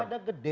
udah pada gede